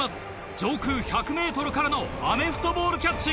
上空１００ｍからのアメフトボールキャッチ。